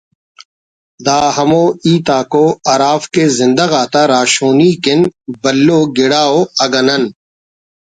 دا ہمو ہیت آک ءُ ہرافک زندہ غاتا راہشونی کن بھلو گڑا ءُ اگہ نن